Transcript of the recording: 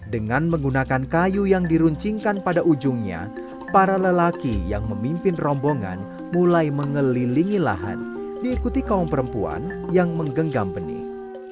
dengan menggunakan kayu yang diruncingkan pada ujungnya para lelaki yang memimpin rombongan mulai mengelilingi lahan diikuti kaum perempuan yang menggenggam benih